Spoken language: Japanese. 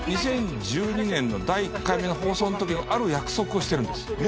２０１２年の第１回目の放送の時にある約束をしてるんです。